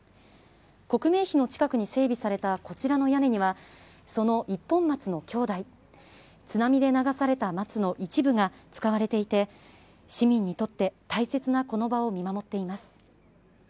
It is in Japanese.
刻銘碑の近くに整備されたこちらの屋根にはその一本松の兄弟津波で流された松の一部が使われていて市民にとって大切なこの場を見守っています。